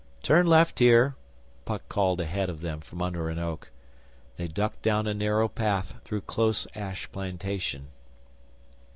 'Turn left here,' Puck called ahead of them from under an oak. They ducked down a narrow path through close ash plantation.